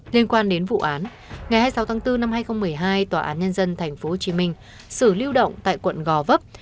liên quan đến vụ án ngày hai mươi sáu tháng bốn năm hai nghìn một mươi hai tòa án nhân dân tp hcm xử lưu động tại quận gò vấp